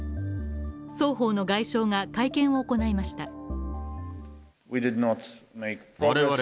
双方の外相が会見を行いました。